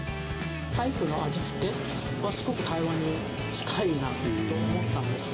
パイクーの味付けがすごく台湾に近いなと思ったんですね。